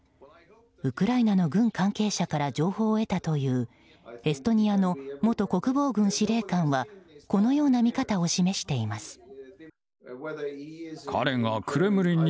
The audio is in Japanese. ウクライナの軍関係者から情報を得たというエストニアの元国防軍司令官はこのような見方を示しています。